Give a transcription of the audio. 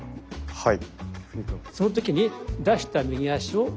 はい。